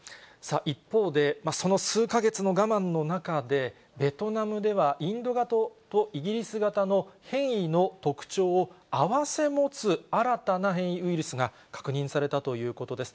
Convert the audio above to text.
一方で、その数か月の我慢の中で、ベトナムではインド型とイギリス型の変異の特徴を併せ持つ新たな変異ウイルスが確認されたということです。